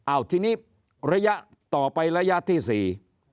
อ้าวทีนี้ระยะต่อไประยะที่สี่